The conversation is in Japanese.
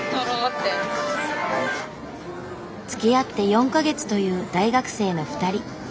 つきあって４か月という大学生の２人。